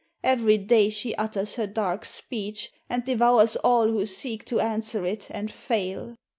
Every day she utters her dark speech, and devours all who seek to answer it and fail."